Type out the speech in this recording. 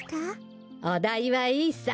おだいはいいさ。